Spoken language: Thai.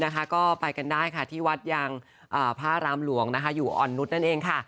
ก็ไปกันได้ค่ะที่วัดยางพระรามหลวงอยู่อ่อนนุษย์นั่นเองค่ะ